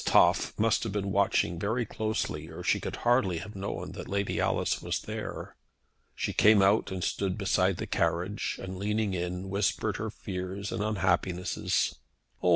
Toff must have been watching very closely or she could hardly have known that Lady Alice was there. She came out and stood beside the carriage, and leaning in, whispered her fears and unhappinesses. "Oh!